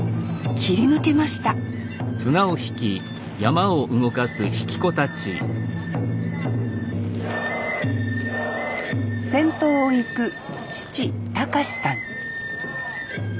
切り抜けました先頭を行く父隆志さん